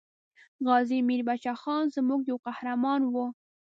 غازي میر بچه خان زموږ یو قهرمان وو.